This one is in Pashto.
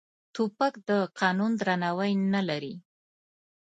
توپک د قانون درناوی نه لري.